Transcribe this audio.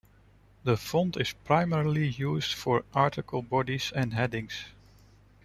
The font is primarily used for article bodies and headings.